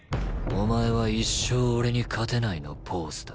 「お前は一生俺に勝てない」のポーズだ。